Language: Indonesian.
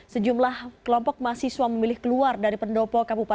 sejumlah kelompok mahasiswa memilih keluar dari pendopo kabupaten